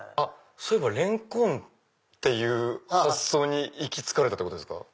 そういえばレンコン」って発想に行き着かれたんですか？